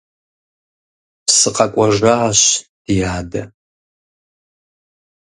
СыкъэкӀуэжащ, ди адэ.